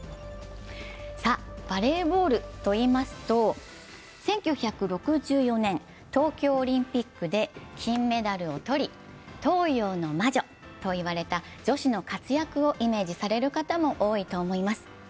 バレーボールといいますと、１９６４年、東京オリンピックで金メダルを取り、東洋の魔女といわれた女子の活躍をイメージされる方も多いと思います。